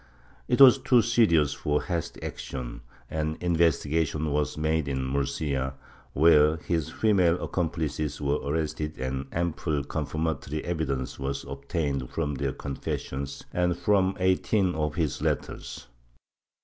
It was too serious for hasty action and investigation was made in Murcia, where his female accompUces were arrested, and ample confirma tory evidence was obtained from their confessions and from eigh teen of his letters.